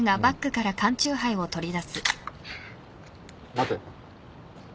待て。